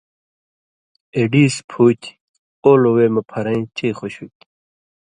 اېڈیس پُھوتیۡ اولو وے مہ پھرَیں چئ خوش ہُوئ تھی۔